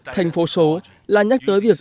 thành phố số là nhắc tới việc